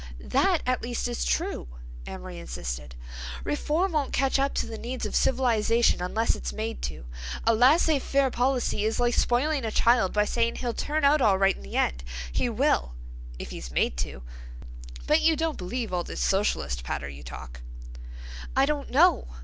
"That, at least, is true," Amory insisted. "Reform won't catch up to the needs of civilization unless it's made to. A laissez faire policy is like spoiling a child by saying he'll turn out all right in the end. He will—if he's made to." "But you don't believe all this Socialist patter you talk." "I don't know.